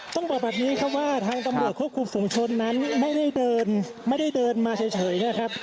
ต้องบอกแบบนี้ครับว่าทางตำรวจควบคุมฝุงชนนั้นไม่ได้เดินไม่ได้เดินมาเฉยนะครับ